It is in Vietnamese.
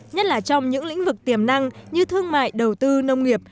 nhất là trong những lĩnh vực tiềm năng như thương mại đầu tư nông nghiệp